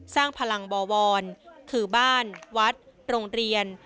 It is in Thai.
สร้างพลังบวรคือบ้านวัดโรงเรียน